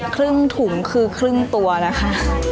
ครึ่งถุงคือครึ่งตัวนะคะ